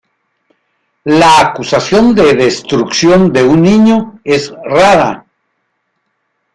La acusación de destrucción de un niño es rara.